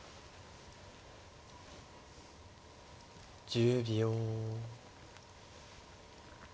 １０秒。